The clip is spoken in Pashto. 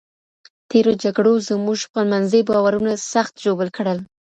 تېرو جګړو زموږ خپلمنځي باورونه سخت ژوبل کړل.